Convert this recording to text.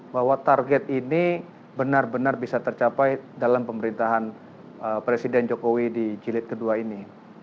bahwa target ini benar benar bisa tercapai dalam pemerintahan presiden jokowi di jilid kedua ini